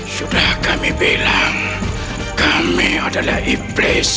sudah kami bilang kami adalah iblis